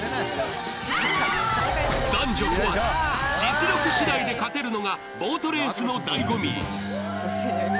男女問わず実力次第で勝てるのがボートレースのだいご味。